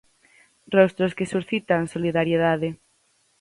Rostros que suscitan solidariedade.